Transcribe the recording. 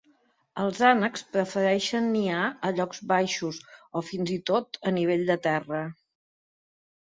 Els ànecs prefereixen niar a llocs baixos o fins i tot a nivell de terra.